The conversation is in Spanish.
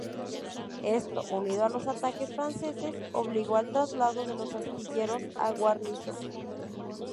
Esto, unido a los ataques franceses, obligó al traslado de los astilleros a Guarnizo.